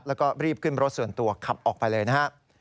แล้วก็รีบขึ้นรถส่วนตัวขับออกไปเลยนะครับ